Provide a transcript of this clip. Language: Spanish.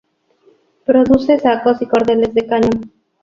Produce sacos y cordeles de cáñamo.